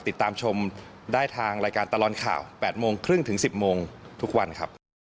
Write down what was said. ติดตามชมได้ทางรายการตลอดข่าว๘โมงครึ่งถึง๑๐โมงทุกวันครับ